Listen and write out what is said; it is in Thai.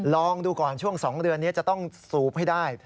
ลองดูก่อนช่วง๒เดือนนี้จะต้องสูบให้ได้